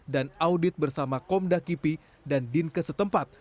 dan audit bersama komda kipi dan din kesetempat